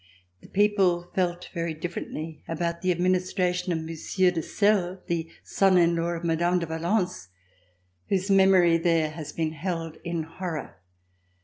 The people felt very differently about the administration of Monsieur de Celles, the son in law of Mme. de Valence, whose memory there has been held in horror.